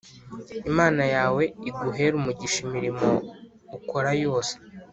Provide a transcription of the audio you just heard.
Imana yawe iguhere umugisha imirimo ukora yose